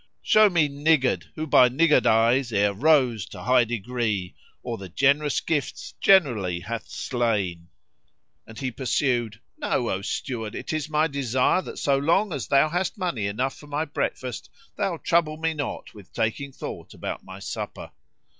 Show me niggard who by niggardise e'er rose to high degree, * Or the generous in gifts generosity hath slain.'" And he pursued, "Know, O Steward, it is my desire that so long as thou hast money enough for my breakfast, thou trouble me not with taking thought about my supper."